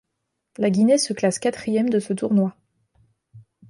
La Guinée se classe quatrième de ce tournoi.